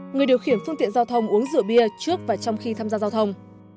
người điều khiển phương tiện giao thông uống rượu bia trước và trong khi tham gia giao thông